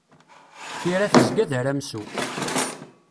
Tira tezga d aramsu.